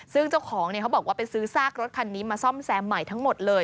ซึ่งเจ้าของเขาบอกว่าไปซื้อซากรถคันนี้มาซ่อมแซมใหม่ทั้งหมดเลย